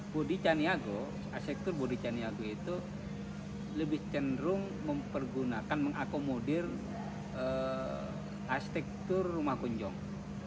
bodi caniago arsitektur bodi caniago itu lebih cenderung mempergunakan mengakomodir arsitektur rumah kunjong